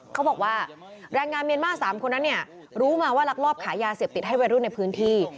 เขาบอกว่าแรงงานเมนม่า๓คนนั้นรู้มาว่ารักรอบขายาเสียบติดให้ไวรุ่นในพื้นที่